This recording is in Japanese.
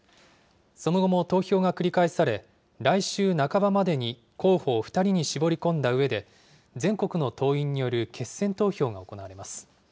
その後も投票が繰り返され、来週半ばまでに候補を２人に絞り込んだうえで、全国の党員による決選投票が行われます。